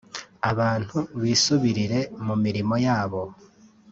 abantu bisubirire mu mirimo yabo